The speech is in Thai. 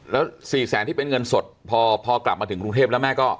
แล้ว๔แสนที่เป็นเงินสดพอกลับมาถึงกรุงเทพแล้วแม่ก็